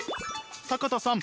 坂田さん